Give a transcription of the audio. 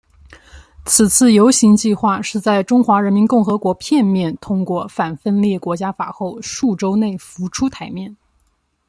此次游行计画是在中华人民共和国片面通过反分裂国家法后数周内浮出台面。